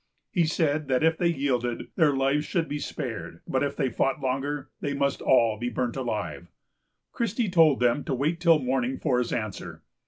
He said that if they yielded, their lives should be spared; but if they fought longer, they must all be burnt alive. Christie told them to wait till morning for his answer.